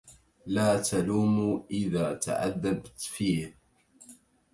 لا تلوموا إذا تعذبت فيه